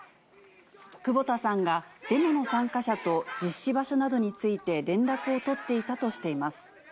久保田さんがデモの参加者と実施場所などについて連絡を取っていたとしています。